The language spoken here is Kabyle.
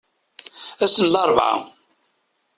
Ass n larebɛa.